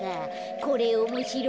これおもしろいな。